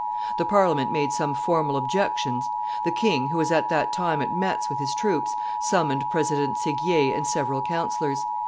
The Parliament made some formal objections the king, who was at that time at Metz with his troops, summoned President Seguier and several counsellors.